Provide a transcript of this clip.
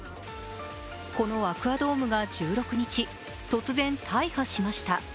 このアクア・ドームが１６日、突然大破しました。